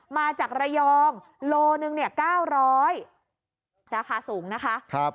มาจากระยองโลนึงเนี่ย๙๐๐ราคาสูงนะคะ